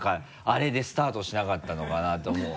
あれでスタートしなかったのかなと思う。